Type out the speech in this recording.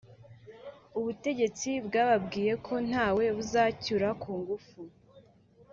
ubutegetsi bwababwiye ko ntawe buzacyura ku ngufu